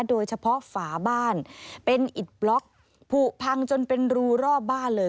ฝาบ้านเป็นอิดบล็อกผูพังจนเป็นรูรอบบ้านเลย